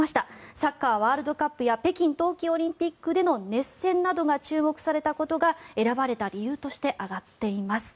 サッカーワールドカップや北京冬季オリンピックでの熱戦などが注目されたことが選ばれた理由として挙がっています。